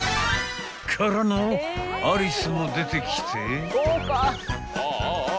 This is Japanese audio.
［からのアリスも出てきて］